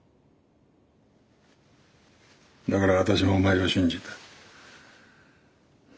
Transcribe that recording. だから私もお前を信じた。